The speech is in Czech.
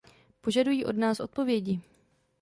Požadují od nás odpovědi.